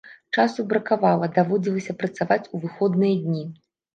Часу бракавала, даводзілася працаваць у выходныя дні.